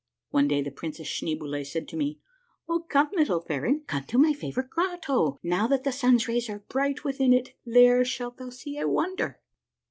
One day the Princess Schneeboule said to me^, —" Oh, come, little baron, come to my favorite grotto, now that the sun's rays are bright within it ; there shalt thou see a wonder."